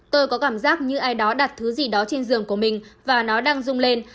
tôi có cảm giác như ai đó đặt thứ gì đó trên giường của mình và nó đang rung lên